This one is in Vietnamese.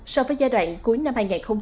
so với giai đoạn cuối năm hai nghìn hai mươi